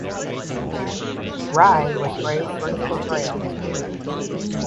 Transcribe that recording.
Rai was praised for his portrayal.